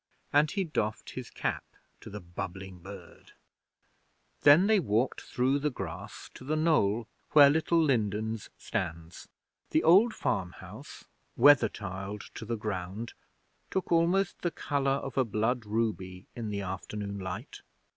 And he doffed his cap to the bubbling bird. Then they walked through the grass to the knoll where Little Lindens stands. The old farmhouse, weather tiled to the ground, took almost the colour of a blood ruby in the afternoon light.